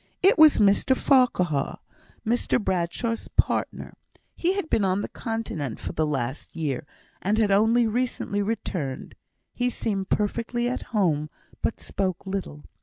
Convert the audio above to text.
It was Mr Farquhar, Mr Bradshaw's partner; he had been on the Continent for the last year, and had only recently returned. He seemed perfectly at home, but spoke little.